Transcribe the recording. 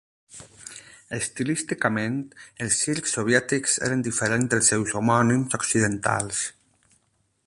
Estilísticament, els circs soviètics eren diferents dels seus homònims occidentals.